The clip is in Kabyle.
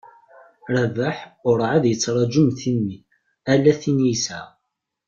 Rabeḥ ur εad yettraju mm timmi, ala tin i yesεa.